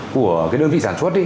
của đơn vị sản xuất